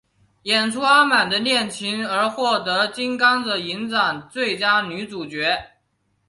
演出阿满的恋情而获得金甘蔗影展最佳女主角。